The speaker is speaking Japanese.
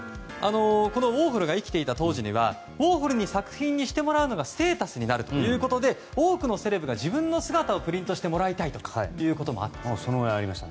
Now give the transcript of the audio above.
ウォーホルが生きていた当時はウォーホルに作品にしてもらうのがステータスになるということで多くのセレブが自分の姿をプリントしてもらいたいというのがあったと。